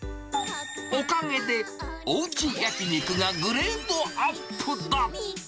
おかげでおうち焼き肉がグレードアップだ。